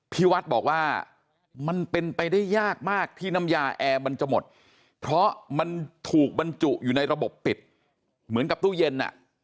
ที่วัดบอกว่ามันเป็นไปได้ยากมากที่น้ำยาแอร์มันจะหมดเพราะมันถูกบรรจุอยู่ในระบบปิดเหมือนกับตู้เย็นอ่ะ